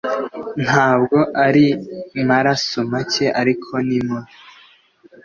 ntabwo ari maraso make, ariko ni mubi